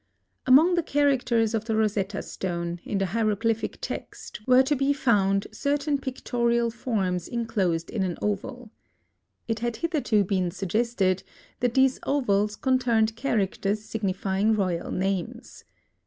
Among the characters on the Rosetta Stone, in the hieroglyphic text, were to be found certain pictorial forms enclosed in an oval. It had hitherto been suggested that these ovals contained characters signifying royal names.